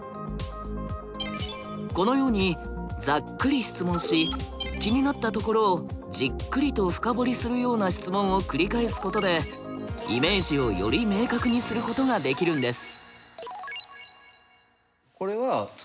このようにざっくり質問し気になったところをじっくりと深掘りするような質問を繰り返すことでイメージをより明確にすることができるんです。